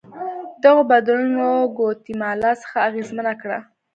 دغو بدلونونو ګواتیمالا سخته اغېزمنه کړه.